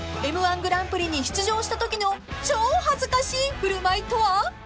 ［Ｍ−１グランプリに出場したときの超恥ずかしい振る舞いとは？］